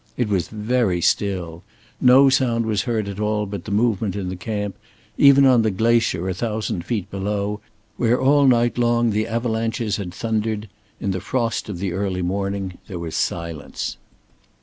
It was very still; no sound was heard at all but the movement in the camp; even on the glacier a thousand feet below, where all night long the avalanches had thundered, in the frost of the early morning there was silence.